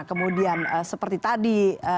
kemudian seperti tadi